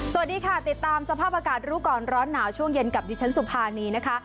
สวัสดีค่ะติดตามสภาพอากาศรู้ก่อนร้อนหนาวช่วงเย็นกับดิฉันสุภานีนะคะ